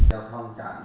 điều khiển xe máy kéo